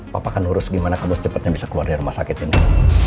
papa kan urus gimana kamu secepetnya bisa keluar dari rumah sakit ini